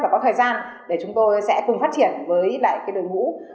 và có thời gian để chúng tôi sẽ cùng phát triển với lại cái đội ngũ